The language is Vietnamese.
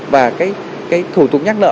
và cái thủ tục nhắc nợ